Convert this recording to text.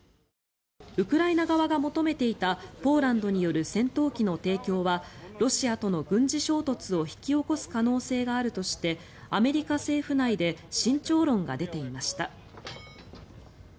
ウクライナ側が求めていたポーランドによる戦闘機の提供はロシアとの軍事衝突を引き起こす可能性があるとしてアメリカ政府内で慎重論が出ていました。